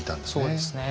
そうですね。